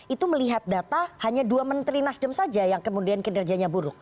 itu melihat data hanya dua menteri nasdem saja yang kemudian kinerjanya buruk